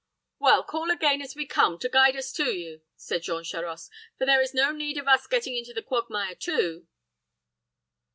"Well, call again as we come, to guide us to you," said Jean Charost, "for there is no need of us getting into the quagmire too."